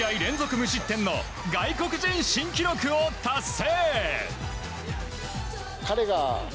無失点の外国人新記録を達成！